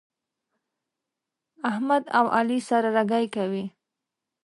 احمد او علي سره رګی کوي.